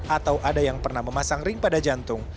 atau ada yang pernah memasang ring pada jantung